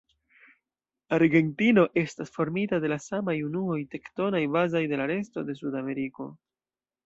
Argentino estas formita de la samaj unuoj tektonaj bazaj de la resto de Sudameriko.